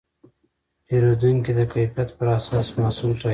پیرودونکي د کیفیت پر اساس محصول ټاکي.